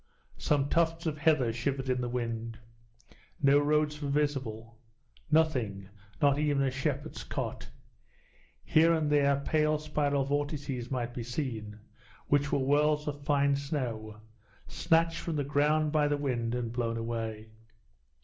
Some tufts of heather shivered in the wind. No roads were visible nothing, not even a shepherd's cot. Here and there pale spiral vortices might be seen, which were whirls of fine snow, snatched from the ground by the wind and blown away.